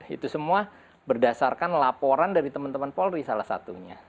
itu semua berdasarkan laporan dari teman teman polri salah satunya